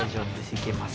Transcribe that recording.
いけます。